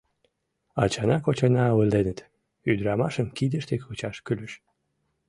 Ачана-кочана ойленыт: ӱдрамашым кидыште кучаш кӱлеш.